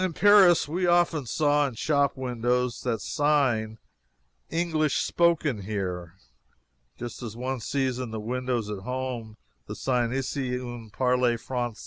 In Paris we often saw in shop windows the sign "English Spoken Here," just as one sees in the windows at home the sign "Ici on parle francaise."